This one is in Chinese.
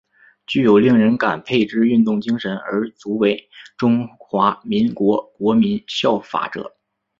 具有令人感佩之运动精神而足为中华民国国民效法者。